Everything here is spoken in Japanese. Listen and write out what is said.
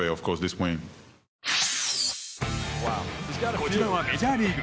こちらはメジャーリーグ。